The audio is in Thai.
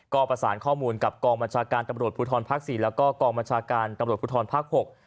ก็ประสานข้อมูลกับกองบัญชาการตำรวจภูทรภาคสี่แล้วก็กองบัญชาการตำรวจภูทรภาค๖